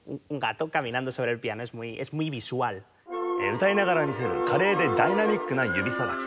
歌いながら見せる華麗でダイナミックな指さばき。